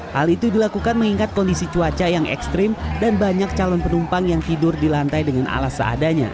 hal itu dilakukan mengingat kondisi cuaca yang ekstrim dan banyak calon penumpang yang tidur di lantai dengan alas seadanya